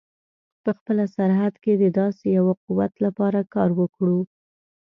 په خپله سرحد کې د داسې یوه قوت لپاره کار وکړو.